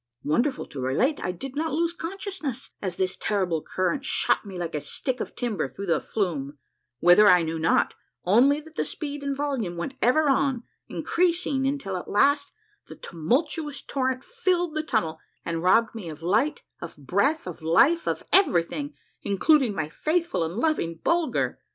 Wonderful to relate, I did not lose consciousness as this terrible current shot me like a stick of timber through a flume, whither I knew not, only that the speed and volume went ever on increasing until at last the tumultuous torrent filled the tunnel, and robbed me of light, of breath, of life, of every thing, including my faithful and loving Bulger